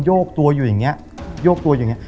โยกตัวอยู่อย่างนี้โยกตัวอย่างนี้